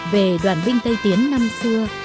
về đoàn binh tây tiến năm xưa